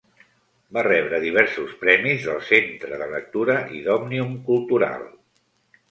Va rebre diversos premis del Centre de Lectura i d'Òmnium Cultural.